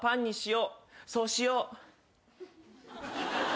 そうしよう。